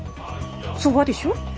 そばでしょ。